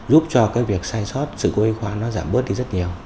giúp cho việc sai sót sự quê khoa giảm bớt rất nhiều